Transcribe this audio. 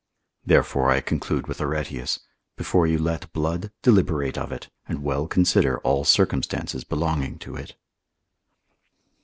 Therefore I conclude with Areteus, before you let blood, deliberate of it, and well consider all circumstances belonging to it.